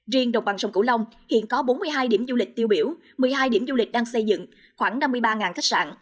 riêng đồng bằng sông cửu long hiện có bốn mươi hai điểm du lịch tiêu biểu một mươi hai điểm du lịch đang xây dựng khoảng năm mươi ba khách sạn